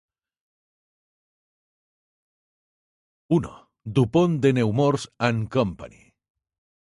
I. du Pont de Nemours and Company".